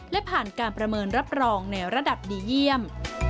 และผ่านการประเมินรับรองในระดับดีเยี่ยม